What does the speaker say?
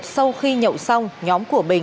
sau khi nhậu xong nhóm của bình